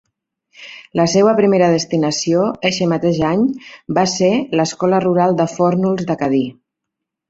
La seua primera destinació, eixe mateix any, va ser l'escola rural de Fórnols de Cadí.